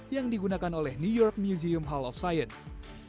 yang digunakan oleh new york museum house of science